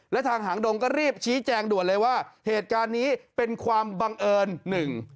และทางหางดงก็รีบชี้แจงด่วนเลยว่าเหตุการณ์นี้เป็นความบังเอิญหนึ่ง